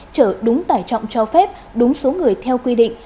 chở đúng tải trọng cho phép đúng số người theo quy định